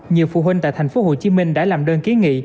nhiều phụ huynh tại tp hcm đã làm đơn ký nghị